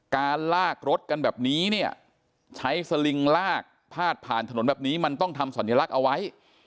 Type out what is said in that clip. การลากรถกันแบบนี้เนี่ยใช้สลิงลากพาดผ่านถนนแบบนี้มันต้องทำสัญลักษณ์เอาไว้